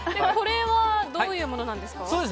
これはどういうものなんですか？